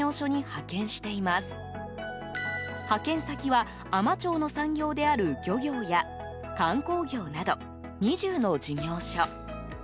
派遣先は、海士町の産業である漁業や観光業など２０の事業所。